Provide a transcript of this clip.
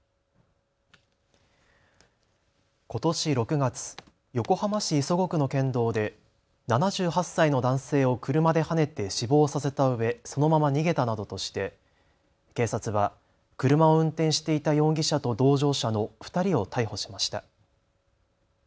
ことし６月、横浜市磯子区の県道で７８歳の男性を車ではねて死亡させたうえそのまま逃げたなどとして警察は車を運転していた容疑者と同乗者の２人を逮捕しました。